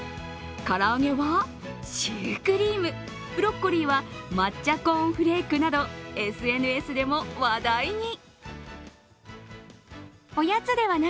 唐揚げはシュークリーム、ブロッコリーは抹茶コーンフレークなどＳＮＳでも話題に。